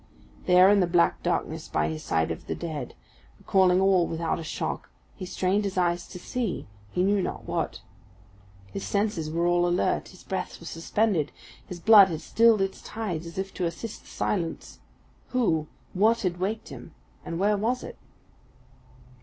There in the black darkness by the side of the dead, recalling all without a shock, he strained his eyes to see he knew not what. His senses were all alert, his breath was suspended, his blood had stilled its tides as if to assist the silence. Who what had waked him, and where was it?